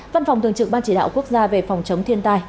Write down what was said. văn phòng thường trực ban chỉ đạo quốc gia về phòng chống thiên tai